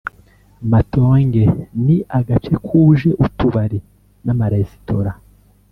Matonge ni agace kuje utubari n’amaresitora